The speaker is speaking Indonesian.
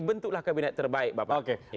bentuklah kabinet terbaik bapak